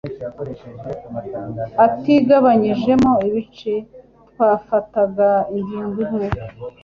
atigabanyijemo ibice. Twafataga ingingo imwe